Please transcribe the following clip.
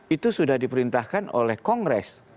itu sudah diperintahkan oleh kongres